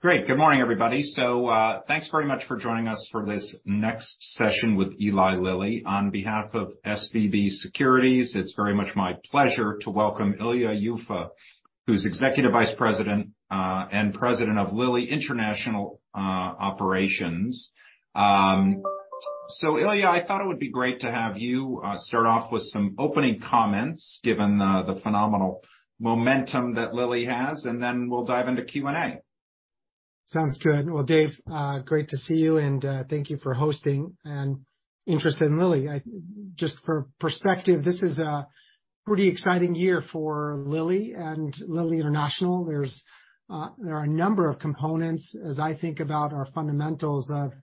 Great. Good morning, everybody. Thanks very much for joining us for this next session with Eli Lilly. On behalf of SVB Securities, it's very much my pleasure to welcome Ilya Yuffa, who's Executive Vice President and President of Lilly International Operations. Ilya, I thought it would be great to have you start off with some opening comments, given the phenomenal momentum that Lilly has, and then we'll dive into Q&A. Sounds good. Dave, great to see you, and thank you for hosting and interest in Lilly. Just for perspective, this is a pretty exciting year for Lilly and Lilly International. There's, there are a number of components as I think about our fundamentals of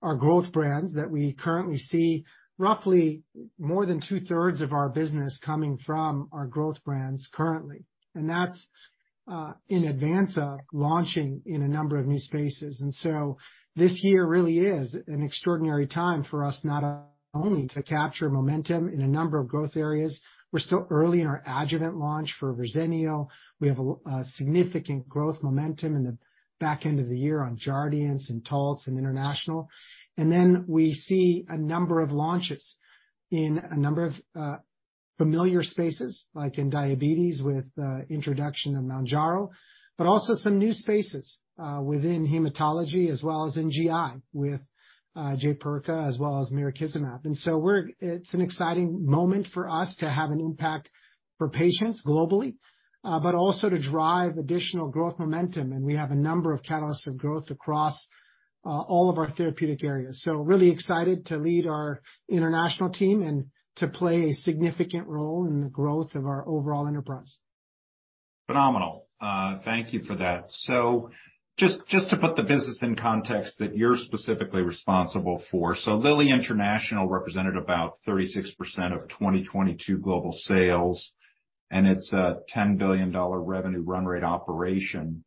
our growth brands that we currently see roughly more than two-thirds of our business coming from our growth brands currently. That's in advance of launching in a number of new spaces. This year really is an extraordinary time for us, not only to capture momentum in a number of growth areas. We're still early in our adjuvant launch for Verzenio. We have a significant growth momentum in the back end of the year on Jardiance and Taltz in international. Then we see a number of launches in a number of familiar spaces, like in diabetes with introduction of Mounjaro, but also some new spaces within hematology as well as in GI with Jaypirca as well as mirikizumab. It's an exciting moment for us to have an impact for patients globally, but also to drive additional growth momentum. We have a number of catalysts of growth across all of our therapeutic areas. Really excited to lead our international team and to play a significant role in the growth of our overall enterprise. Phenomenal. Thank you for that. Just, just to put the business in context that you're specifically responsible for. Lilly International represented about 36% of 2022 global sales, and it's a $10 billion revenue run rate operation.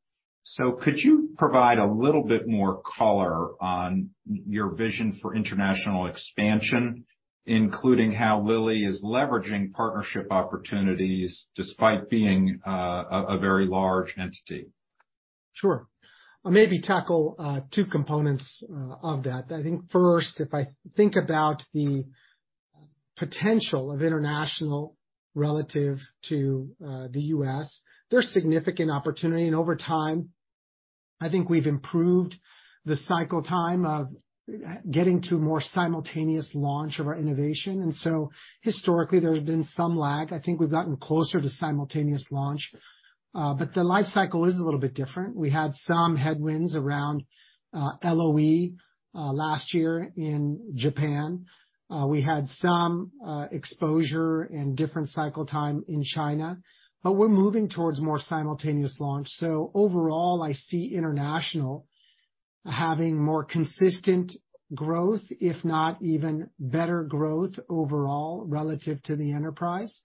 Could you provide a little bit more color on your vision for international expansion, including how Lilly is leveraging partnership opportunities despite being a very large entity? Sure. I'll maybe tackle two components of that. I think first, if I think about the potential of international relative to the U.S., there's significant opportunity. Over time, I think we've improved the cycle time of getting to more simultaneous launch of our innovation. Historically, there had been some lag. I think we've gotten closer to simultaneous launch. The life cycle is a little bit different. We had some headwinds around LOE last year in Japan. We had some exposure and different cycle time in China, we're moving towards more simultaneous launch. Overall, I see international having more consistent growth, if not even better growth overall relative to the enterprise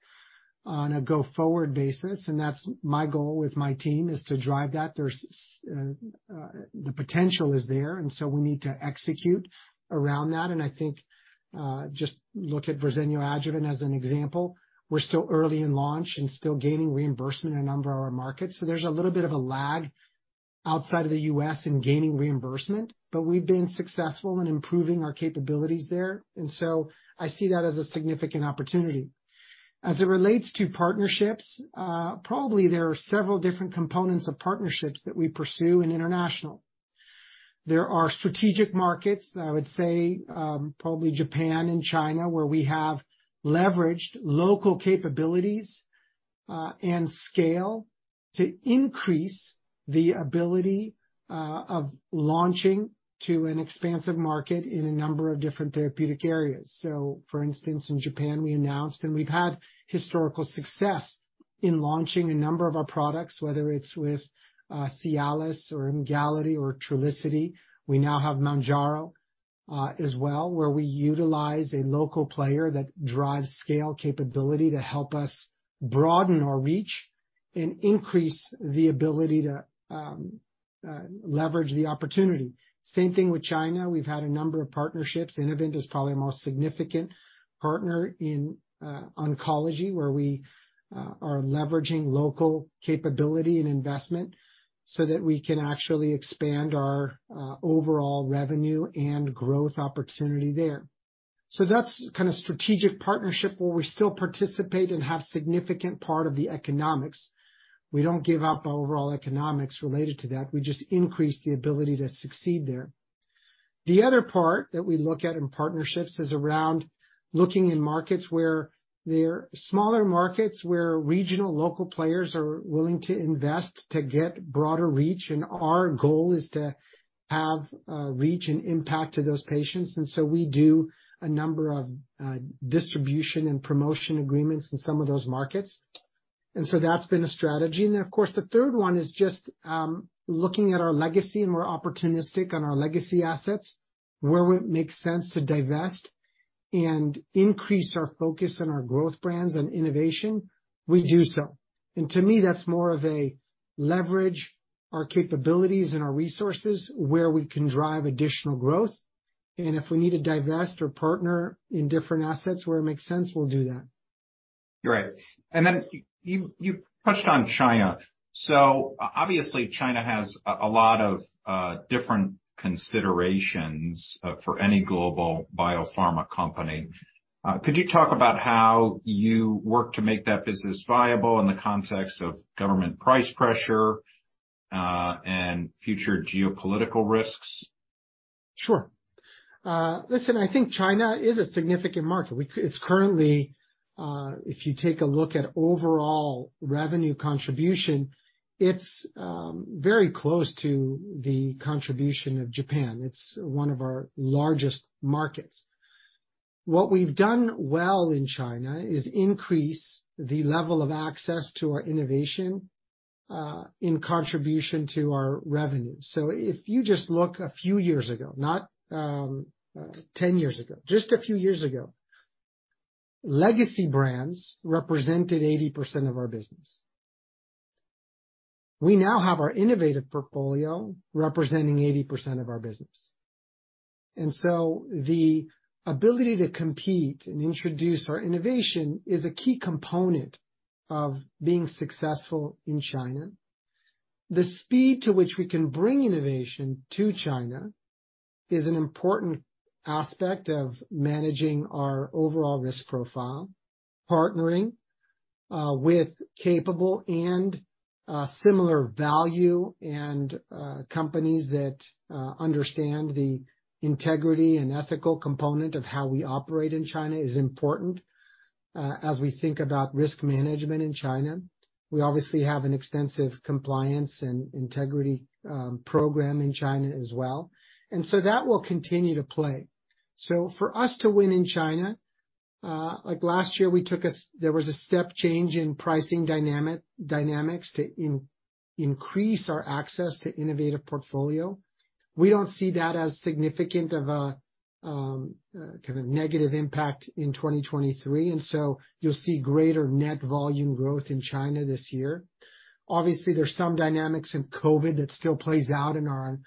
on a go-forward basis. That's my goal with my team is to drive that. There's the potential is there, and so we need to execute around that. I think, just look at Verzenio adjuvant as an example. We're still early in launch and still gaining reimbursement in a number of our markets, so there's a little bit of a lag outside of the U.S. in gaining reimbursement, but we've been successful in improving our capabilities there. I see that as a significant opportunity. As it relates to partnerships, probably there are several different components of partnerships that we pursue in international. There are strategic markets, I would say, probably Japan and China, where we have leveraged local capabilities, and scale to increase the ability of launching to an expansive market in a number of different therapeutic areas. For instance, in Japan, we announced and we've had historical success in launching a number of our products, whether it's with Cialis or Emgality or Trulicity. We now have Mounjaro as well, where we utilize a local player that drives scale capability to help us broaden our reach and increase the ability to leverage the opportunity. Same thing with China. We've had a number of partnerships. Innovent is probably a more significant partner in oncology, where we are leveraging local capability and investment so that we can actually expand our overall revenue and growth opportunity there. That's kinda strategic partnership where we still participate and have significant part of the economics. We don't give up overall economics related to that. We just increase the ability to succeed there. The other part that we look at in partnerships is around looking in markets where they're smaller markets, where regional local players are willing to invest to get broader reach, and our goal is to have reach and impact to those patients. We do a number of distribution and promotion agreements in some of those markets. That's been a strategy. Of course, the third one is just looking at our legacy, and we're opportunistic on our legacy assets, where it makes sense to divest and increase our focus on our growth brands and innovation, we do so. To me, that's more of a leverage our capabilities and our resources where we can drive additional growth. If we need to divest or partner in different assets where it makes sense, we'll do that. You're right. Then you touched on China. Obviously, China has a lot of different considerations for any global biopharma company. Could you talk about how you work to make that business viable in the context of government price pressure and future geopolitical risks? Sure. Listen, I think China is a significant market. It's currently, if you take a look at overall revenue contribution, it's very close to the contribution of Japan. It's one of our largest markets. What we've done well in China is increase the level of access to our innovation, in contribution to our revenue. If you just look a few years ago, not 10 years ago, just a few years ago, legacy brands represented 80% of our business. We now have our innovative portfolio representing 80% of our business. The ability to compete and introduce our innovation is a key component of being successful in China. The speed to which we can bring innovation to China is an important aspect of managing our overall risk profile. Partnering with capable and similar value and companies that understand the integrity and ethical component of how we operate in China is important as we think about risk management in China. We obviously have an extensive compliance and integrity program in China as well. That will continue to play. For us to win in China, like last year, there was a step change in pricing dynamics to increase our access to innovative portfolio. We don't see that as significant of a kind of negative impact in 2023, and so you'll see greater net volume growth in China this year. Obviously, there's some dynamics in COVID that still plays out in our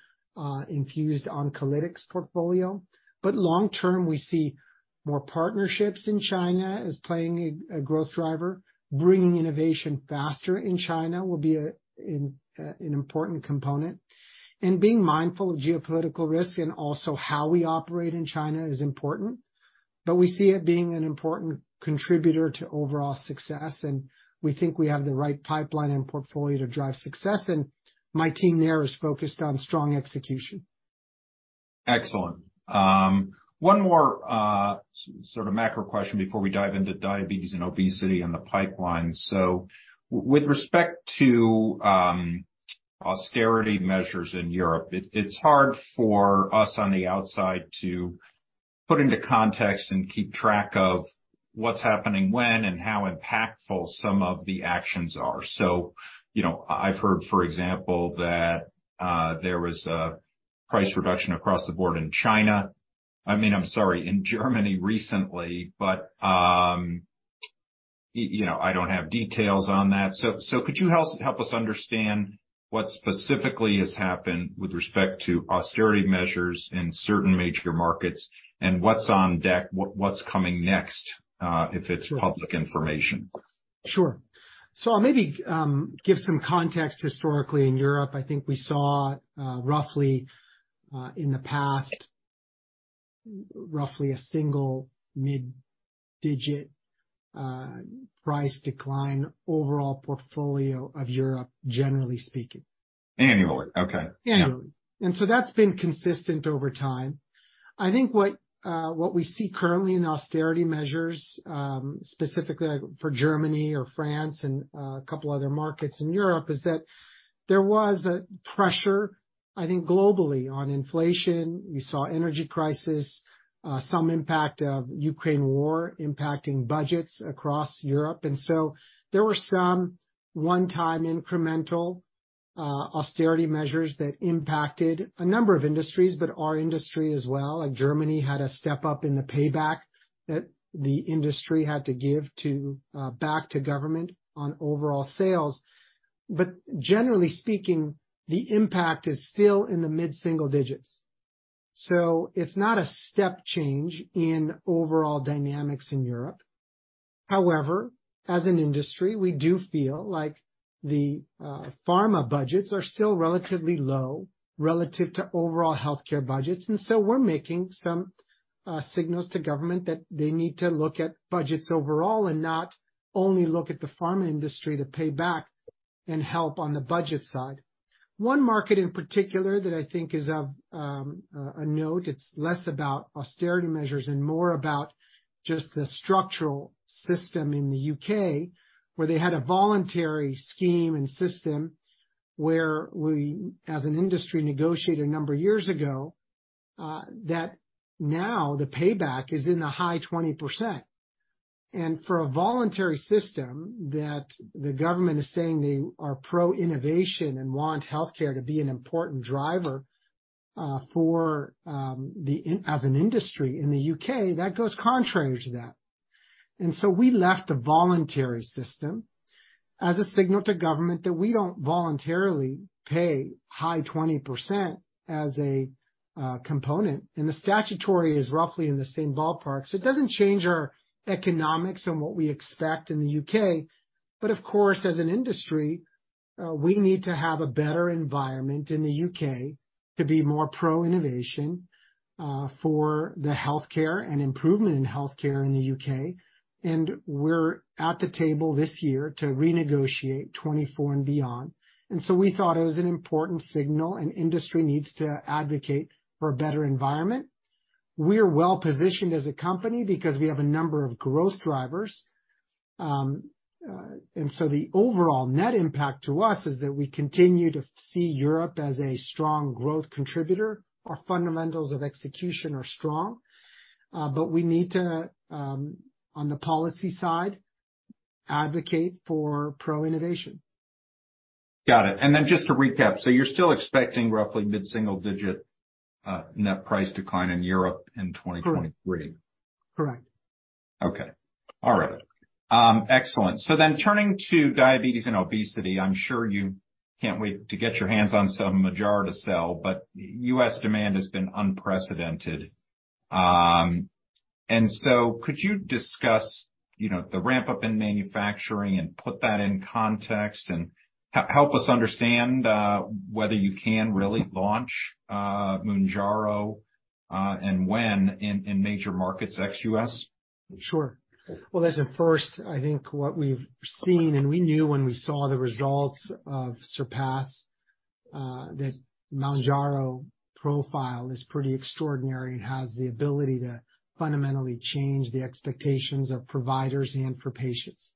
infused oncolytics portfolio. Long term, we see more partnerships in China as playing a growth driver. Bringing innovation faster in China will be a, an important component. Being mindful of geopolitical risk and also how we operate in China is important. We see it being an important contributor to overall success, and we think we have the right pipeline and portfolio to drive success. My team there is focused on strong execution. Excellent. One more sort of macro question before we dive into diabetes and obesity and the pipeline. With respect to austerity measures in Europe, it's hard for us on the outside to put into context and keep track of what's happening when and how impactful some of the actions are. You know, I've heard, for example, that there was a price reduction across the board in Germany recently. You know, I don't have details on that. Could you help us understand what specifically has happened with respect to austerity measures in certain major markets and what's on deck, what's coming next, if it's public information? Sure. I'll maybe give some context. Historically, in Europe, I think we saw roughly in the past, roughly a single mid-digit price decline overall portfolio of Europe, generally speaking. Annually. Okay. Annually. That's been consistent over time. I think what we see currently in austerity measures, specifically like for Germany or France and a couple other markets in Europe, is that there was a pressure, I think, globally on inflation. We saw energy crisis, some impact of Ukraine war impacting budgets across Europe. There were some one-time incremental austerity measures that impacted a number of industries, but our industry as well. Like Germany had a step up in the payback that the industry had to give to back to government on overall sales. Generally speaking, the impact is still in the mid-single digits, so it's not a step change in overall dynamics in Europe. As an industry, we do feel like the pharma budgets are still relatively low relative to overall healthcare budgets. We're making some signals to government that they need to look at budgets overall and not only look at the pharma industry to pay back and help on the budget side. One market in particular that I think is of a note, it's less about austerity measures and more about just the structural system in the U.K., where they had a voluntary scheme and system where we, as an industry, negotiated a number of years ago that now the payback is in the high 20%. For a voluntary system that the government is saying they are pro-innovation and want healthcare to be an important driver for as an industry in the U.K., that goes contrary to that. We left a voluntary system. As a signal to government that we don't voluntarily pay high 20% as a component, and the statutory is roughly in the same ballpark. It doesn't change our economics and what we expect in the U.K., but of course, as an industry, we need to have a better environment in the U.K. to be more pro-innovation for the healthcare and improvement in healthcare in the U.K. We're at the table this year to renegotiate 2024 and beyond. We thought it was an important signal, and industry needs to advocate for a better environment. We are well-positioned as a company because we have a number of growth drivers, and so the overall net impact to us is that we continue to see Europe as a strong growth contributor. Our fundamentals of execution are strong, but we need to, on the policy side, advocate for pro-innovation. Got it. Just to recap, you're still expecting roughly mid-single digit, net price decline in Europe in 2023? Correct. Okay. All right. Excellent. Turning to diabetes and obesity, I'm sure you can't wait to get your hands on some Mounjaro to sell, U.S. demand has been unprecedented. Could you discuss, you know, the ramp-up in manufacturing and put that in context and help us understand whether you can really launch Mounjaro and when in major markets ex-U.S.? Sure. Well, listen, first, I think what we've seen, we knew when we saw the results of SURPASS, that Mounjaro profile is pretty extraordinary and has the ability to fundamentally change the expectations of providers and for patients.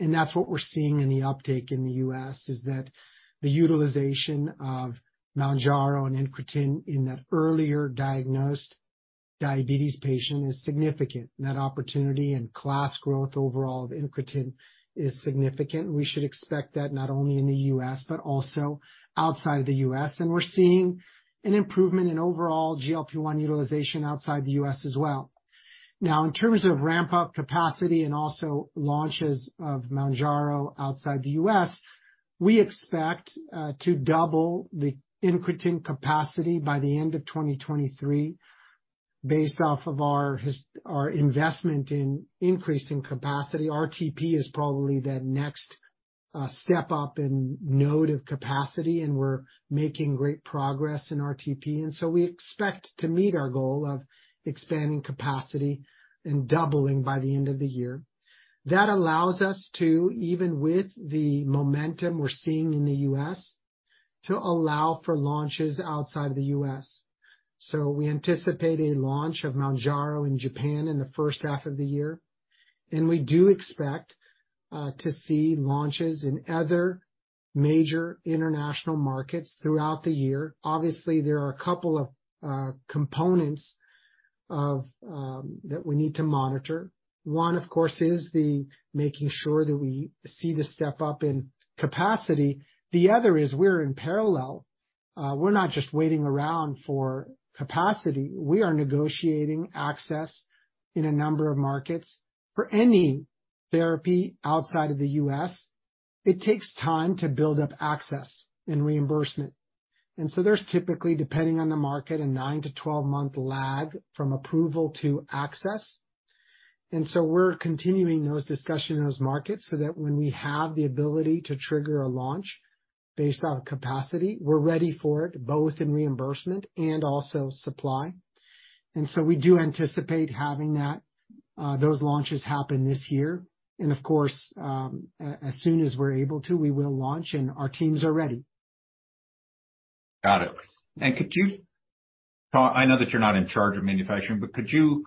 That's what we're seeing in the uptake in the U.S., is that the utilization of Mounjaro and incretin in that earlier diagnosed diabetes patient is significant. Net opportunity and class growth overall of incretin is significant. We should expect that not only in the U.S., but also outside the U.S., we're seeing an improvement in overall GLP-1 utilization outside the U.S. as well. Now, in terms of ramp-up capacity and also launches of Mounjaro outside the U.S., we expect to double the incretin capacity by the end of 2023 based off of our investment in increasing capacity. R.T.P. is probably the next step up in node of capacity. We're making great progress in R.T.P. We expect to meet our goal of expanding capacity and doubling by the end of the year. That allows us to, even with the momentum we're seeing in the U.S., to allow for launches outside the U.S. We anticipate a launch of Mounjaro in Japan in the H1 of the year. We do expect to see launches in other major international markets throughout the year. Obviously, there are a couple of components that we need to monitor. One, of course, is the making sure that we see the step-up in capacity. The other is we're in parallel. We're not just waiting around for capacity. We are negotiating access in a number of markets. For any therapy outside of the U.S., it takes time to build up access and reimbursement. There's typically, depending on the market, a 9-12 month lag from approval to access. We're continuing those discussions in those markets so that when we have the ability to trigger a launch based on capacity, we're ready for it, both in reimbursement and also supply. We do anticipate having that, those launches happen this year. Of course, as soon as we're able to, we will launch, and our teams are ready. Got it. I know that you're not in charge of manufacturing, but could you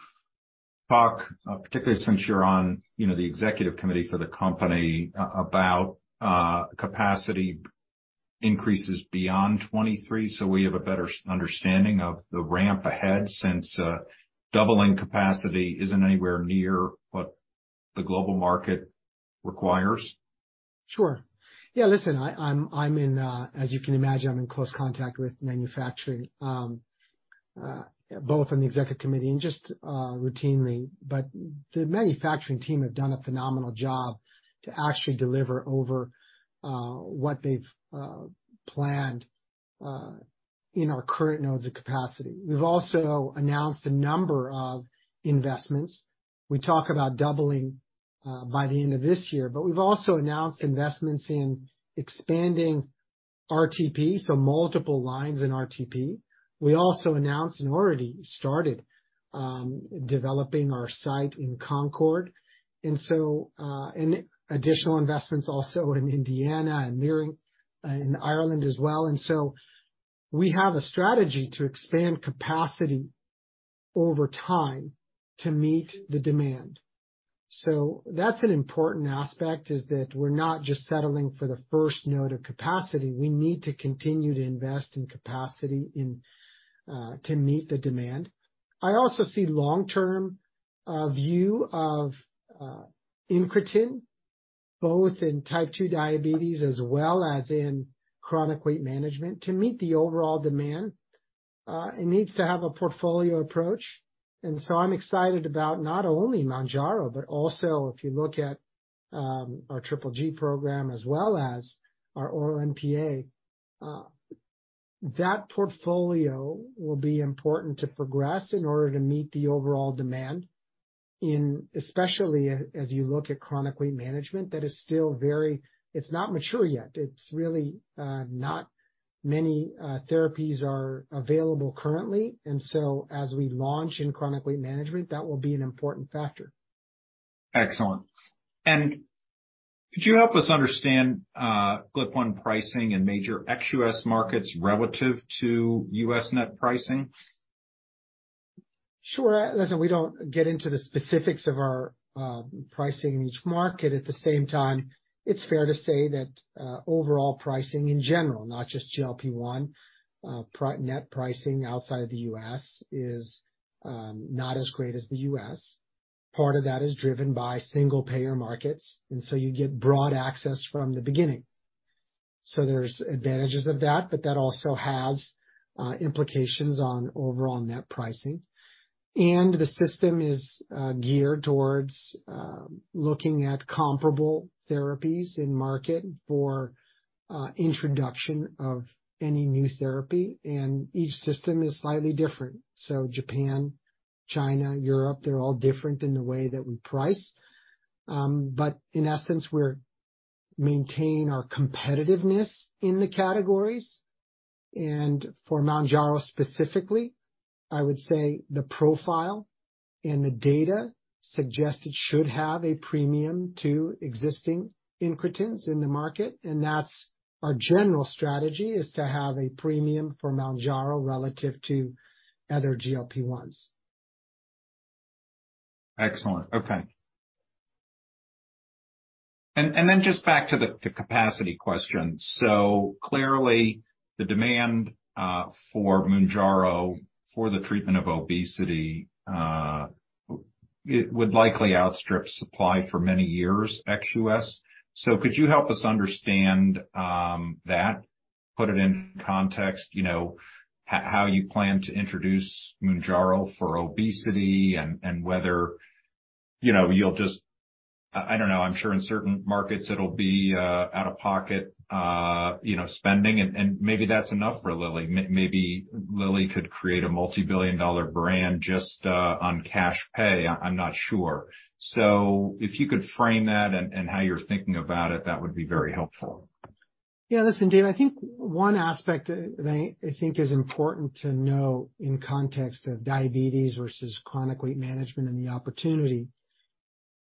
talk particularly since you're on, you know, the executive committee for the company, about capacity increases beyond 2023 so we have a better understanding of the ramp ahead since doubling capacity isn't anywhere near what the global market requires? Sure. Yeah, listen, I'm in, as you can imagine, I'm in close contact with manufacturing, both on the executive committee and just routinely. The manufacturing team have done a phenomenal job to actually deliver over what they've planned in our current nodes of capacity. We've also announced a number of investments. We talk about doubling by the end of this year, but we've also announced investments in expanding RTP, so multiple lines in RTP. We also announced and already started developing our site in Concord, and additional investments also in Indiana and in Ireland as well. We have a strategy to expand capacity over time to meet the demand. That's an important aspect, is that we're not just settling for the first node of capacity. We need to continue to invest in capacity and to meet the demand. I also see long-term view of incretin, both in Type 2 diabetes as well as in chronic weight management, to meet the overall demand. It needs to have a portfolio approach. I'm excited about not only Mounjaro, but also if you look at our Triple G program as well as our Oral NPA, that portfolio will be important to progress in order to meet the overall demand, especially as you look at chronic weight management that is still very. It's not mature yet. It's really, not many therapies are available currently. As we launch in chronic weight management, that will be an important factor. Excellent. Could you help us understand GLP-1 pricing in major ex-U.S. markets relative to U.S. net pricing? Sure. Listen, we don't get into the specifics of our pricing in each market. At the same time, it's fair to say that overall pricing in general, not just GLP-1, net pricing outside of the U.S. is not as great as the U.S. Part of that is driven by single payer markets, so you get broad access from the beginning. There's advantages of that, but that also has implications on overall net pricing. The system is geared towards looking at comparable therapies in market for introduction of any new therapy. Each system is slightly different. Japan, China, Europe, they're all different in the way that we price. In essence, we're maintain our competitiveness in the categories. For Mounjaro specifically, I would say the profile and the data suggest it should have a premium to existing incretins in the market, and that's our general strategy is to have a premium for Mounjaro relative to other GLP-1s. Excellent. Okay. Then just back to the capacity question. Clearly the demand for Mounjaro for the treatment of obesity, it would likely outstrip supply for many years ex-U.S. Could you help us understand that, put it in context, you know, how you plan to introduce Mounjaro for obesity and whether, you know, you'll just. I don't know. I'm sure in certain markets it'll be out of pocket, you know, spending, and maybe that's enough for Lilly. Maybe Lilly could create a multi-billion dollar brand just on cash pay. I'm not sure. If you could frame that and how you're thinking about it, that would be very helpful. Yeah. Listen, Dave, I think one aspect that I think is important to know in context of diabetes versus chronic weight management and the opportunity.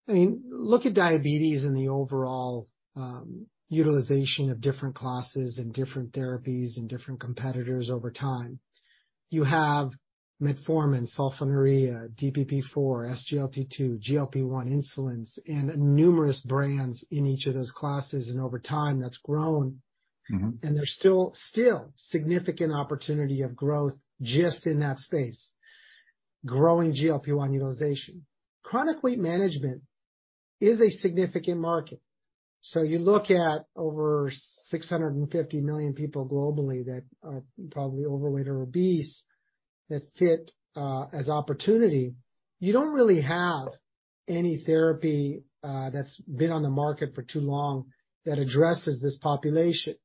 I mean, look at diabetes and the overall utilization of different classes and different therapies and different competitors over time. You have metformin, sulfonylurea, DPP-4, SGLT2, GLP-1 insulins, and numerous brands in each of those classes, and over time that's grown. Mm-hmm. There's still significant opportunity of growth just in that space, growing GLP-1 utilization. Chronic weight management is a significant market. You look at over 650 million people globally that are probably overweight or obese that fit as opportunity. You don't really have any therapy that's been on the market for too long that addresses this population,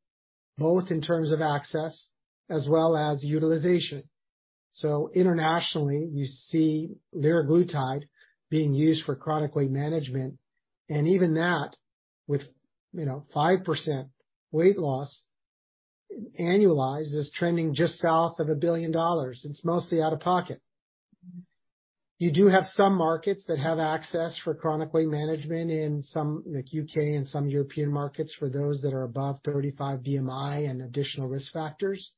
both in terms of access as well as utilization. Internationally, you see liraglutide being used for chronic weight management, and even that with, you know, 5% weight loss annualized is trending just south of $1 billion. It's mostly out of pocket. You do have some markets that have access for chronic weight management in some, like U.K. and some European markets, for those that are above 35 BMI and additional risk factors.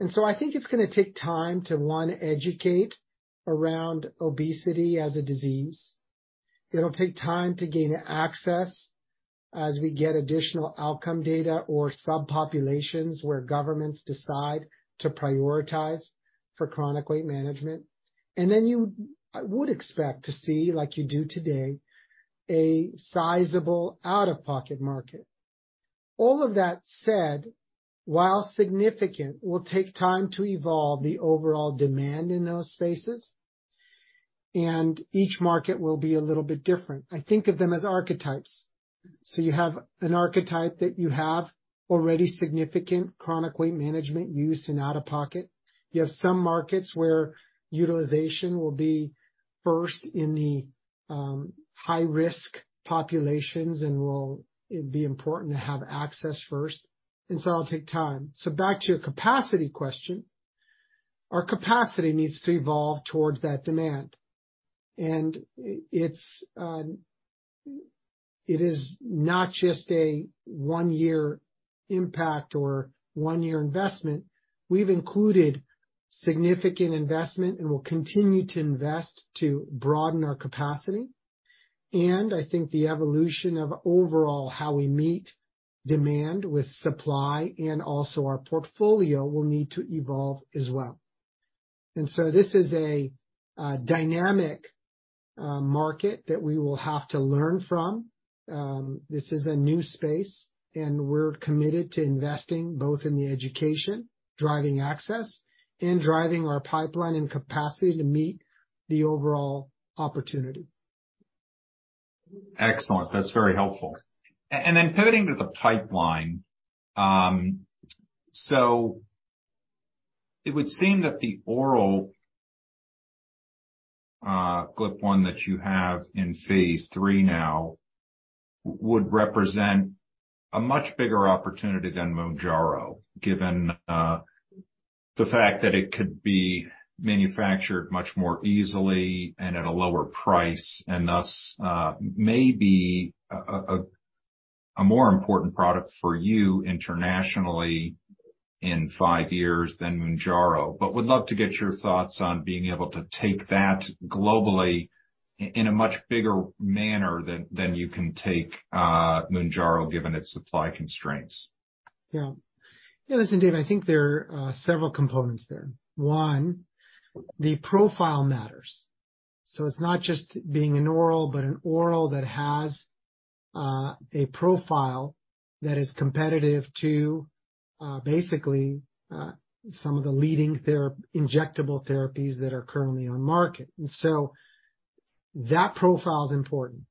I think it's gonna take time to, one, educate around obesity as a disease. It'll take time to gain access as we get additional outcome data or subpopulations where governments decide to prioritize for chronic weight management. Then you would expect to see, like you do today, a sizable out-of-pocket market. All of that said, while significant, will take time to evolve the overall demand in those spaces, and each market will be a little bit different. I think of them as archetypes. You have an archetype that you have already significant chronic weight management use in out-of-pocket. You have some markets where utilization will be first in the high-risk populations and will be important to have access first, and so it'll take time. Back to your capacity question, our capacity needs to evolve towards that demand, and it's not just a one-year impact or one-year investment. We've included significant investment and will continue to invest to broaden our capacity. I think the evolution of overall how we meet demand with supply and also our portfolio will need to evolve as well. This is a dynamic market that we will have to learn from. This is a new space, and we're committed to investing both in the education, driving access and driving our pipeline and capacity to meet the overall opportunity. Excellent. That's very helpful. Then pivoting to the pipeline, it would seem that the oral GLP-1 that you have in phase III now would represent a much bigger opportunity than Mounjaro, given the fact that it could be manufactured much more easily and at a lower price, and thus, maybe a more important product for you internationally in five years than Mounjaro. Would love to get your thoughts on being able to take that globally in a much bigger manner than you can take Mounjaro, given its supply constraints. Yeah. Yeah, listen, Dave, I think there are several components there. One, the profile matters. It's not just being an oral, but an oral that has a profile that is competitive to basically some of the leading injectable therapies that are currently on market. That profile is important.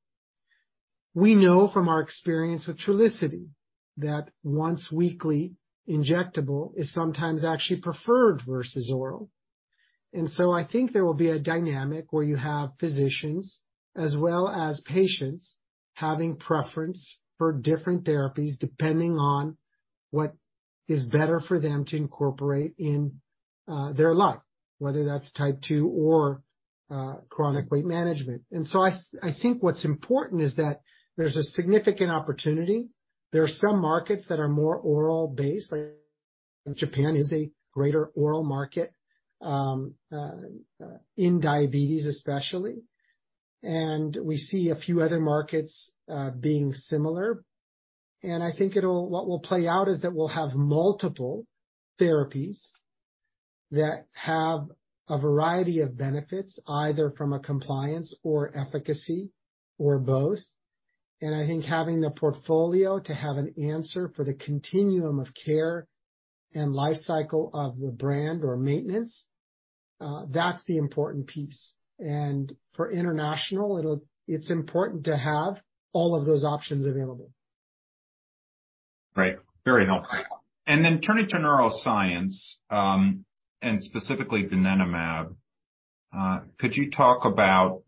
We know from our experience with Trulicity that once-weekly injectable is sometimes actually preferred versus oral. I think there will be a dynamic where you have physicians as well as patients having preference for different therapies depending on what is better for them to incorporate in their life, whether that's Type 2 or chronic weight management. I think what's important is that there's a significant opportunity. There are some markets that are more oral-based, like Japan is a greater oral market in diabetes especially, and we see a few other markets being similar. I think what will play out is that we'll have multiple therapies that have a variety of benefits, either from a compliance or efficacy or both. I think having the portfolio to have an answer for the continuum of care and life cycle of the brand or maintenance, that's the important piece. For international, it's important to have all of those options available. Right. Very helpful. Turning to neuroscience, and specifically donanemab, could you talk about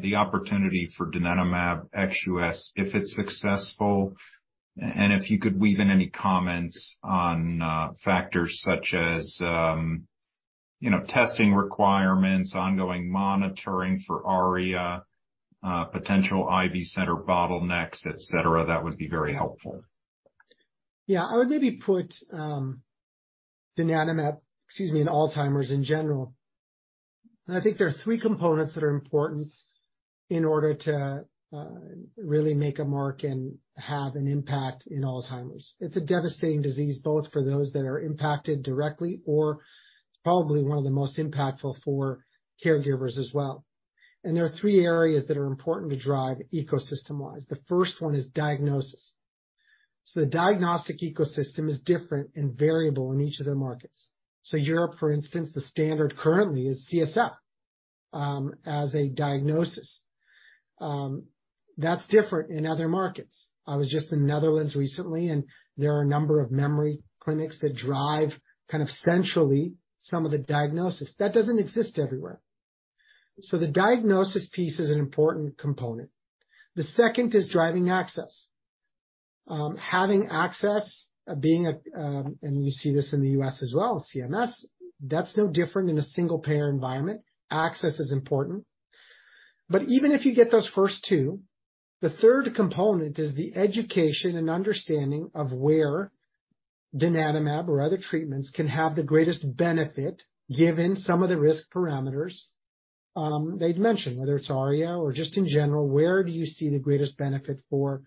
the opportunity for donanemab ex-US if it's successful? If you could weave in any comments on factors such as, you know, testing requirements, ongoing monitoring for ARIA, potential IV center bottlenecks, et cetera, that would be very helpful. Yeah. I would maybe put donanemab, excuse me, in Alzheimer's in general. I think there are three components that are important in order to really make a mark and have an impact in Alzheimer's. It's a devastating disease, both for those that are impacted directly, or it's probably one of the most impactful for caregivers as well. There are three areas that are important to drive ecosystem-wise. The first one is diagnosis. The diagnostic ecosystem is different and variable in each of their markets. Europe, for instance, the standard currently is CSF as a diagnosis. That's different in other markets. I was just in Netherlands recently, and there are a number of memory clinics that drive kind of centrally some of the diagnosis. That doesn't exist everywhere. The diagnosis piece is an important component. The second is driving access. Having access, being a, we see this in the U.S. as well, CMS, that's no different in a single-payer environment. Access is important. Even if you get those first two, the third component is the education and understanding of where donanemab or other treatments can have the greatest benefit, given some of the risk parameters, they'd mentioned, whether it's ARIA or just in general, where do you see the greatest benefit for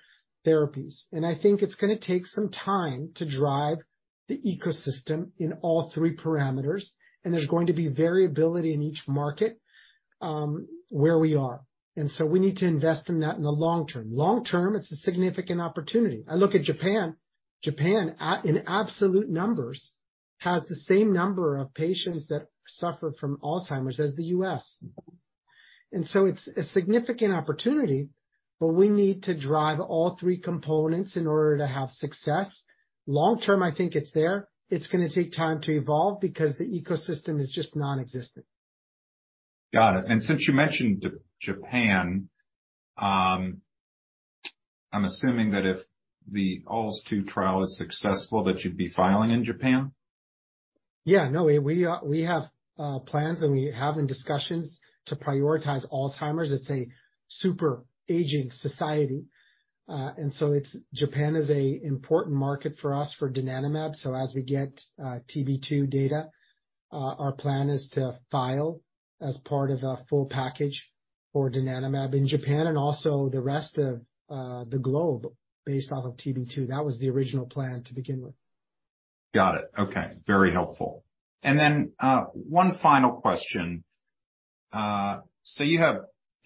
therapies? I think it's gonna take some time to drive the ecosystem in all three parameters, there's going to be variability in each market, where we are. So we need to invest in that in the long term. Long term, it's a significant opportunity. I look at Japan. Japan in absolute numbers, has the same number of patients that suffer from Alzheimer's as the U.S. It's a significant opportunity, but we need to drive all three components in order to have success. Long term, I think it's there. It's gonna take time to evolve because the ecosystem is just nonexistent. Got it. Since you mentioned Japan, I'm assuming that if the TRAILBLAZER-ALZ 2 trial is successful, that you'd be filing in Japan. Yeah. No, we have plans, and we have in discussions to prioritize Alzheimer's. It's a super aging society. Japan is an important market for us for donanemab. As we get TB2 data, our plan is to file as part of a full package for donanemab in Japan and also the rest of the globe based off of TB2. That was the original plan to begin with. Got it. Okay. Very helpful. Then, one final question. You have,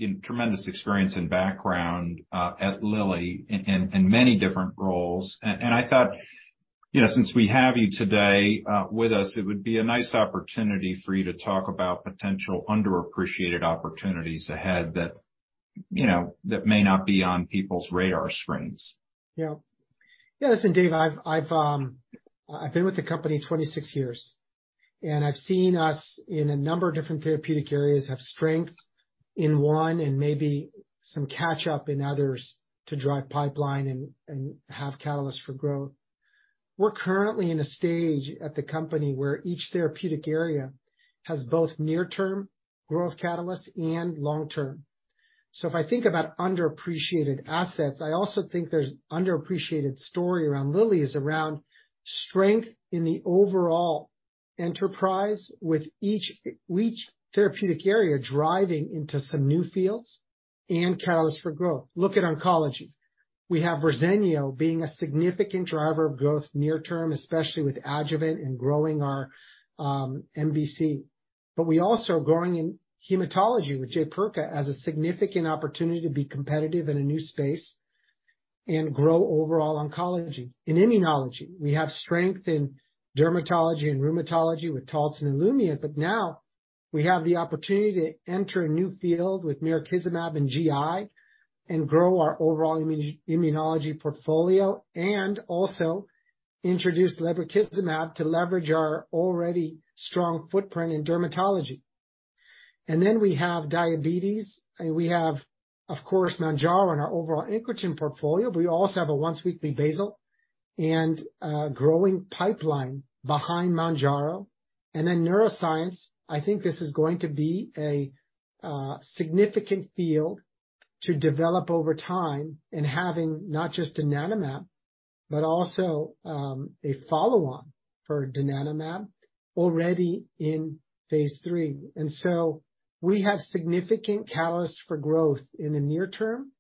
you know, tremendous experience and background, at Lilly in many different roles. I thought, you know, since we have you today, with us, it would be a nice opportunity for you to talk about potential underappreciated opportunities ahead that, you know, that may not be on people's radar screens. Listen, Dave, I've been with the company 26 years, I've seen us in a number of different therapeutic areas have strength in one and maybe some catch up in others to drive pipeline and have catalysts for growth. We're currently in a stage at the company where each therapeutic area has both near-term growth catalysts and long-term. If I think about underappreciated assets, I also think there's underappreciated story around Lilly is around strength in the overall enterprise with each therapeutic area driving into some new fields and catalysts for growth. Look at oncology. We have Verzenio being a significant driver of growth near term, especially with adjuvant and growing our MBC. We also are growing in hematology with Jaypirca as a significant opportunity to be competitive in a new space and grow overall oncology. In immunology, we have strength in dermatology and rheumatology with Taltz and Olumiant, but now we have the opportunity to enter a new field with mirikizumab in GI and grow our overall immunology portfolio and also introduce lebrikizumab to leverage our already strong footprint in dermatology. We have diabetes, and we have, of course, Mounjaro and our overall incretin portfolio, but we also have a once-weekly basal and a growing pipeline behind Mounjaro. Neuroscience, I think this is going to be a significant field to develop over time and having not just donanemab, but also a follow-on for donanemab already in phase III. We have significant catalysts for growth in the near term,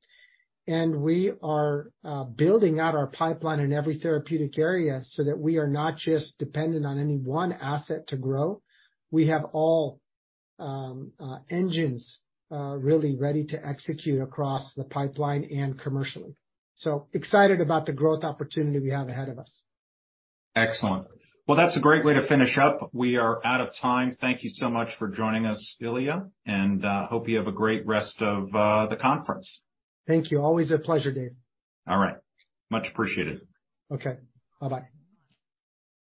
and we are building out our pipeline in every therapeutic area so that we are not just dependent on any one asset to grow. We have all engines really ready to execute across the pipeline and commercially. Excited about the growth opportunity we have ahead of us. Excellent. Well, that's a great way to finish up. We are out of time. Thank you so much for joining us, Ilya, and hope you have a great rest of the conference. Thank you. Always a pleasure, Dave. All right. Much appreciated. Okay. Bye-bye.